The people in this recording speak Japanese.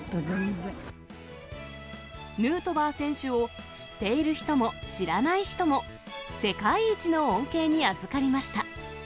ヌートバー選手を、知っている人も、知らない人も、世界一の恩恵にあずかりました。